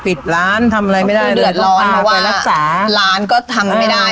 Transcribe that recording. ปิดร้านทำอะไรไม่ได้เดือดร้อนเพราะว่ารักษาร้านก็ทำไม่ได้